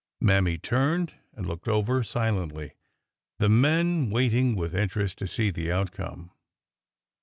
Mammy turned and looked him over silently, the men waiting with interest to see the outcome.